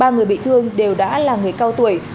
ba người bị thương đều đã là người cao tuổi